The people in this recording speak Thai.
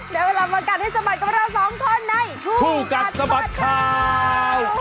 และวันนี้เรามาการให้สบัดกับเราสองคนในคู่กัดสบัดข่าว